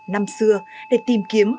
năm xưa để tìm kiếm